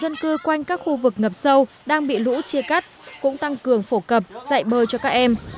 dân cư quanh các khu vực ngập sâu đang bị lũ chia cắt cũng tăng cường phổ cập dạy bơi cho các em